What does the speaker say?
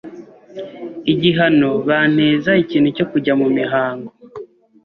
igihano banteza ikintu cyo kujya mu mihango